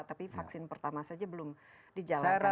tapi vaksin pertama saja belum dijalankan